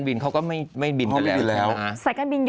วันที่๓เมซาโยน